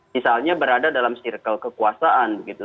misalnya berada dalam circle kekuasaan begitu